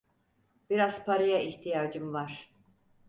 Biraz paraya ihtiyacım var.